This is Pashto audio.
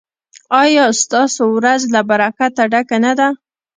ایا ستاسو ورځ له برکته ډکه نه ده؟